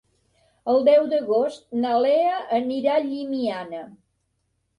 El deu d'agost na Lea anirà a Llimiana.